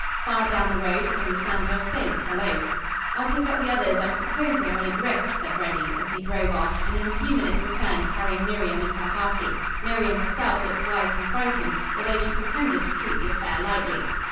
Far down the road came the sound of a faint halloo. "I'll pick up the others. I suppose they are in a drift," said Reddy, as he drove off and in a few minutes returned carrying Miriam and her party. Miriam herself looked white and frightened, although she pretended to treat the affair lightly.